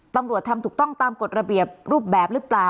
ตำรวจทำถูกต้องตามกฎระเบียบรูปแบบหรือเปล่า